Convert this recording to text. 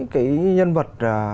cái nhân vật